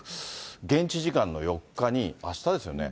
現地時間の４日に、あしたですよね。